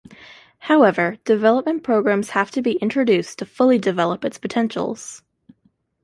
However, development programs have to be introduced to fully develop its potentials.